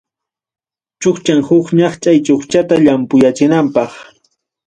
Chukcham huk ñaqchay chukchata llampuyachinapaqmi.